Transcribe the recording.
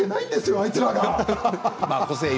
あいつらが。